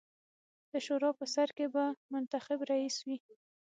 د شورا په سر کې به منتخب رییس وي.